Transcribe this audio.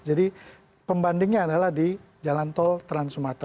jadi pembandingnya adalah di jalan tol trans sulawesi